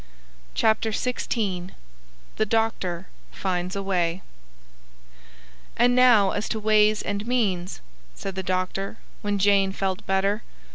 CHAPTER XVI THE DOCTOR FINDS A WAY "And now as to ways and means," said the doctor, when Jane felt better.